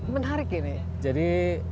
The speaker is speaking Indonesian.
menarik ini jadi